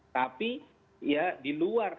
tapi ya di luar